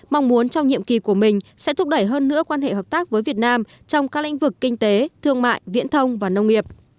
mong muốn trong nhiệm kỳ của mình sẽ thúc đẩy hơn nữa quan hệ hợp tác với việt nam trong các lĩnh vực kinh tế thương mại viễn thông và nông nghiệp